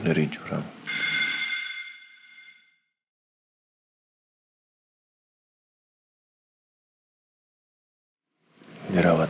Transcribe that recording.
tidak ada yang bisa diberikan